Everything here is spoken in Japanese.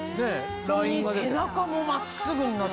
背中も真っすぐになってる。